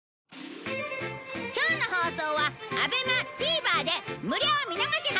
今日の放送はＡＢＥＭＡＴＶｅｒで無料見逃し配信中。